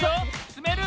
つめる？